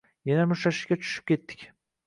Yana mushtlashishga tushib ketdik.